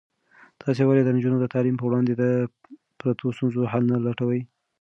تاسې ولې د نجونو د تعلیم په وړاندې د پرتو ستونزو حل نه لټوئ؟